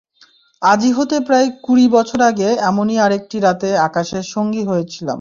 আজি হতে প্রায় কুড়ি বছর আগে এমনি আরেকটি রাতে আকাশের সঙ্গী হয়েছিলাম।